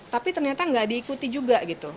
tapi ternyata nggak diikuti juga gitu